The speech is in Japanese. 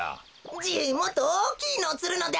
じいもっとおおきいのをつるのだ！